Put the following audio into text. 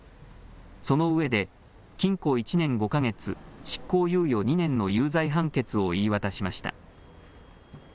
そのうえで禁錮１年５か月、執行猶予２年の有罪判決を言い渡しました。